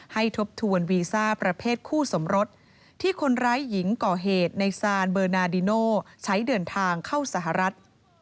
ทบทวนวีซ่าประเภทคู่สมรสที่คนร้ายหญิงก่อเหตุในซานเบอร์นาดิโนใช้เดินทางเข้าสหรัฐ